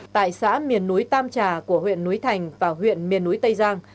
tại xã miền núi tam trà của huyện núi thành và huyện miền núi tây giang